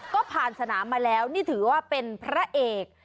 ก็ผ่านสนามมาแล้วนี่ถือว่าเป็นพระเอก